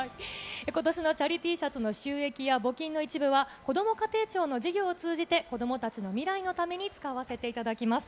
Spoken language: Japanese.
ことしのチャリＴシャツの収益や募金の一部は、こども家庭庁の事業を通じて、子どもたちの未来のために使わせていただきます。